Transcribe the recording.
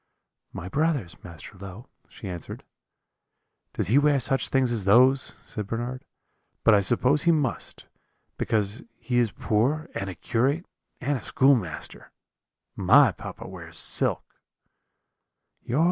"'My brother's, Master Low,' she answered. "'Does he wear such things as those?' said Bernard; 'but I suppose he must, because he is poor, and a curate, and a schoolmaster my papa wears silk.'